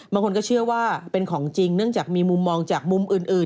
บางคนก็เชื่อว่าเป็นของจริงเนื่องจากมีมุมมองจากมุมอื่น